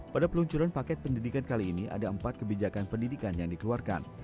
pada peluncuran paket pendidikan kali ini ada empat kebijakan pendidikan yang dikeluarkan